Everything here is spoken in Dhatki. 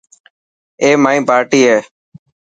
اي مائي پارٽي هي.